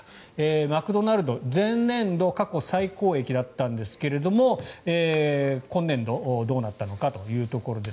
マクドナルド前年度過去最高益だったんですが今年度どうなったのかというところです。